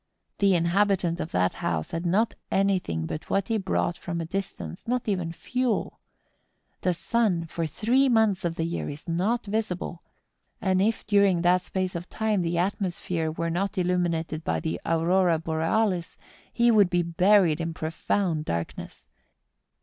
The inhabitant of that house had not anything but what he brought from a distance, not even fuel. The sun for three months of the year is not visible; and if during that space of 154 MOUNTAIN ADVENTURES. time the atmosphere were not illuminated by the aurora borealis, he would be buried in profound darkness.